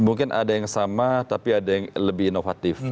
mungkin ada yang sama tapi ada yang lebih inovatif